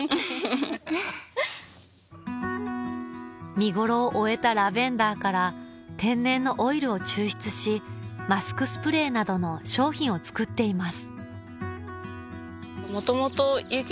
見頃を終えたラベンダーから天然のオイルを抽出しマスクスプレーなどの商品を作っています